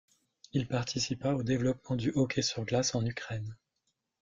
Il participa au développement du hockey sur glace en Ukraine.